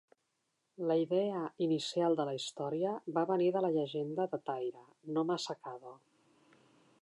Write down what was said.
La idea inicial de la història va venir de la llegenda de Taira no Masakado.